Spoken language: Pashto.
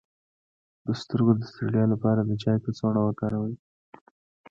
د سترګو د ستړیا لپاره د چای کڅوړه وکاروئ